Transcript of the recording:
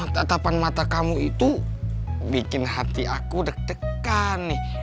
tatapan mata kamu itu bikin hati aku deg degan nih